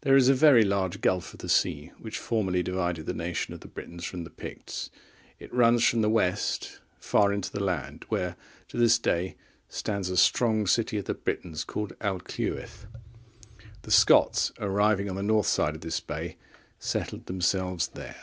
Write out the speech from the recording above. There is a very large gulf of the sea, which formerly divided the nation of the Britons from the Picts; it runs from the west far into the land, where, to this day, stands a strong city of the Britons, called Alcluith.(32) The Scots, arriving on the north side of this bay, settled themselves there.